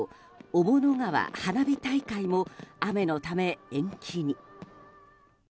雄物川花火大会も雨のため延期に。